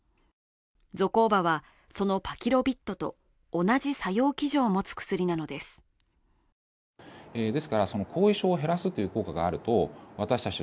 ゾコーバはそのパキロビッドと同じ作用機序を持つ薬なのです。